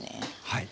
はい。